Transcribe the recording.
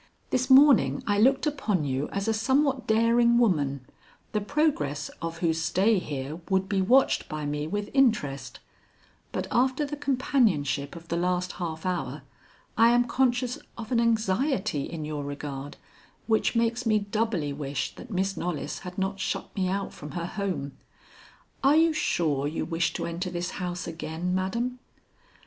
"This morning I looked upon you as a somewhat daring woman, the progress of whose stay here would be watched by me with interest, but after the companionship of the last half hour I am conscious of an anxiety in your regard which makes me doubly wish that Miss Knollys had not shut me out from her home. Are you sure you wish to enter this house again, madam?"